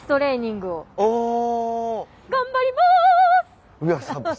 「頑張ります」